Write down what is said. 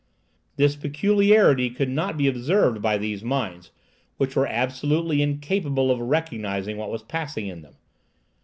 This peculiarity could not be observed by these minds, which were absolutely incapable of recognizing what was passing in them.